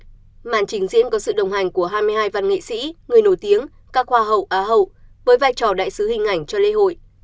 điểm nhấn của đêm sự kiện là màn trình diễn có sự đồng hành của hai mươi hai văn nghệ sĩ người nổi tiếng các hoa hậu á hậu với vai trò đại sứ hình ảnh cho lễ hội